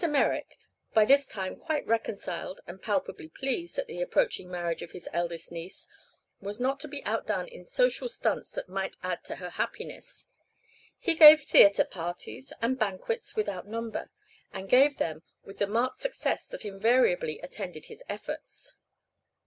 Merrick, by this time quite reconciled and palpably pleased at the approaching marriage of his eldest niece, was not to be outdone in "social stunts" that might add to her happiness. He gave theatre parties and banquets without number, and gave them with the marked success that invariably attended his efforts.